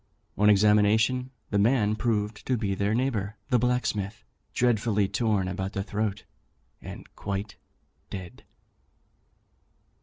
On examination, the man proved to be their neighbour the blacksmith, dreadfully torn about the throat, and quite dead."